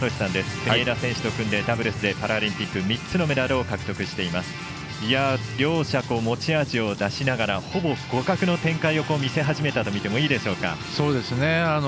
国枝選手と組んでダブルスでパラリンピック３つのメダルを獲得しています。両者、持ち味を出しながらほぼ互角の展開を見せ始めたとみてもいいでしょうか。